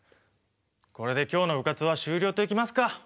これで今日の部活は終了といきますか！